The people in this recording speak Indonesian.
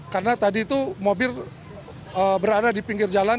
karena tadi itu mobil berada di pinggir jalan